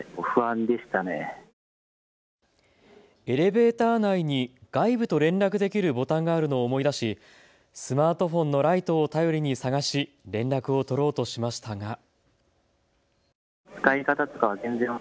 エレベーター内に外部と連絡できるボタンがあるのを思い出し、スマートフォンのライトを頼りに探し連絡を取ろうとしましたが。